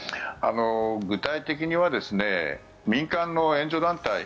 具体的には民間の援助団体